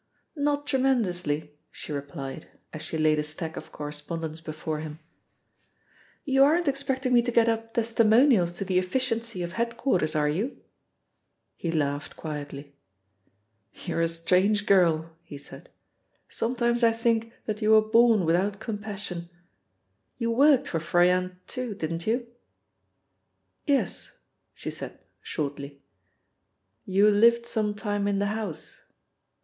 "Not tremendously," she replied, as she laid a stack of correspondence before him. "You aren't expecting me to get up testimonials to the efficiency of head quarters, are you?" He laughed quietly. "You're a strange girl," he said. "Sometimes I think that you were born without compassion. You worked for Froyant, too, didn't you?" "Yes," she said shortly. "You lived some time in the house?"